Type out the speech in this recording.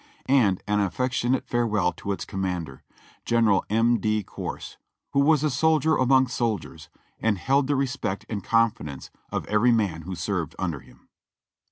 And an affectionate farewell to its commander, General M. D. Corse, who was a soldier among soldiers, and held the respect and confidence of every man who served under him.